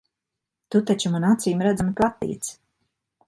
Tu taču man acīmredzami patīc.